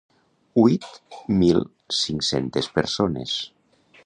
Huit mil cinc-centes persones.